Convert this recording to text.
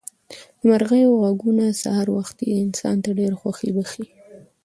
د مرغیو غږونه سهار وختي انسان ته ډېره خوښي بښي.